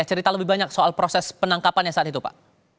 cerita lebih banyak soal proses penangkapannya saat itu pak